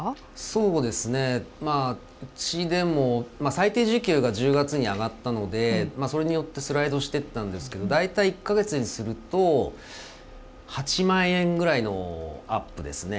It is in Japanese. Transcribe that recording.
うちでも最低時給が１０月に上がったのでそれによってスライドしていったんですけど大体１か月にすると８万円ぐらいのアップですね。